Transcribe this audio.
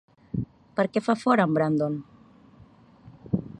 Per què fa fora a Brandon?